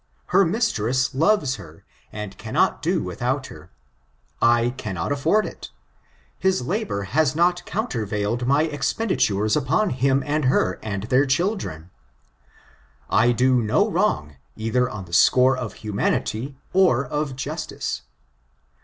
Her mistress loves her, and cannot do without hen I cannot afford it His labor has not countervailed my expenditures upon him and her, and their children. I do no wrong, either on the score of humanity or of justice.